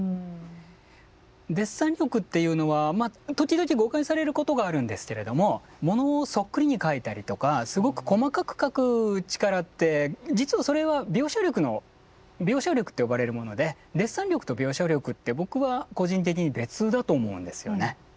デッサン力っていうのは時々誤解されることがあるんですけれどもものをそっくりに描いたりとかすごく細かく描く力って実はそれは描写力の描写力と呼ばれるものでデッサン力と描写力って僕は個人的に別だと思うんですよね。